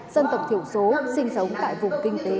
dân tộc thiểu số sinh sống tại vùng kinh tế